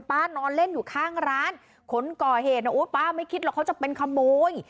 นอนเล่นอยู่ข้างร้านคนก่อเหตุนะโอ้ป้าไม่คิดหรอกเขาจะเป็นขโมย